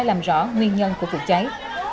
làm rõ nguyên nhân của vụ cháy